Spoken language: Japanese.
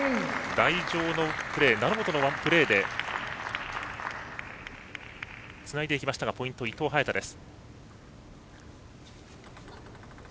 台上のプレー成本のワンプレーでつないでいきましたがポイント、伊藤、早田です。